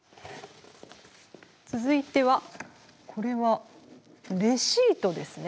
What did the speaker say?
続いてはこれはレシートですね。